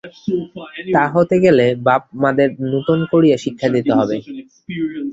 তা হতে গেলে বাপ-মাদেরও নূতন করে শিক্ষা দিতে হবে।